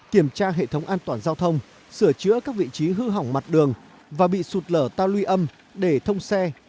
kiểm tra hệ thống an toàn giao thông sửa chữa các vị trí hư hỏng mặt đường và bị sụt lở ta luy âm để thông xe